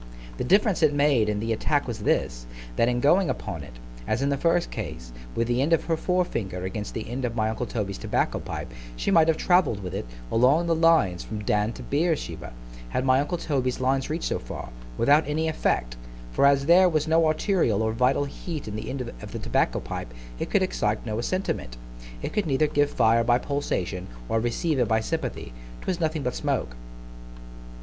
The difference it made in the attack was this; That in going upon it, as in the first case, with the end of her fore finger against the end of my uncle Toby's tobacco pipe, she might have travelled with it, along the lines, from Dan to Beersheba, had my uncle Toby's lines reach'd so far, without any effect: For as there was no arterial or vital heat in the end of the tobacco pipe, it could excite no sentiment——it could neither give fire by pulsation——or receive it by sympathy——'twas nothing but smoke.